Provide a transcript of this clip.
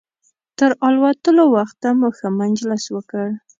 تر الوتلو وخته مو ښه مجلس وکړ.